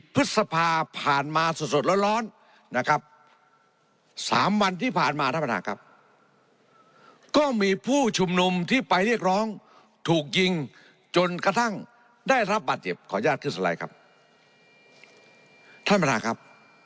พฤษภาผ่านมาสดร้อนนะครับ๓วันที่ผ่านมานะครับก็มีผู้ชุมนุมที่ไปเรียกร้องถูกยิงจนกระทั่งได้รับบาดเจ็บของญาติคืออะไรครับ